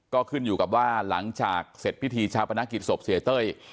ก็ขึ้นอยู่กับว่าหลังจากเสร็จพิธีชาปนกิจศพเสียเต้ย